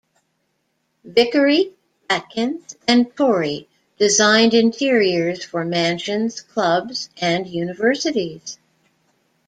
Vickery, Atkins and Torrey designed interiors for mansions, clubs and universities.